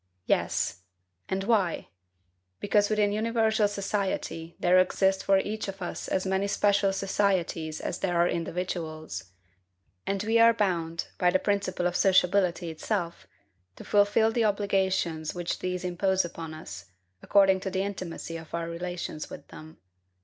Yes. And why? Because within universal society there exist for each of us as many special societies as there are individuals; and we are bound, by the principle of sociability itself, to fulfil the obligations which these impose upon us, according to the intimacy of our relations with them.